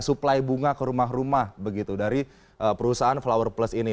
suplai bunga ke rumah rumah begitu dari perusahaan flower plus ini